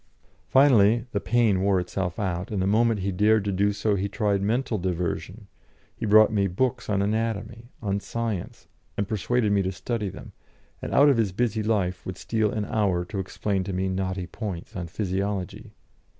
Finally the pain wore itself out, and the moment he dared to do so, he tried mental diversion; he brought me books on anatomy, on science, and persuaded me to study them; and out of his busy life would steal an hour to explain to me knotty points on physiology.